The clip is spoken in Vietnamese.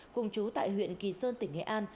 cùng chú tại huyện kỳ sơn tỉnh nghệ an